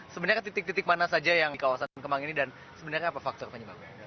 sebenarnya titik titik mana saja yang kawasan kemang ini dan sebenarnya apa faktor penyebabnya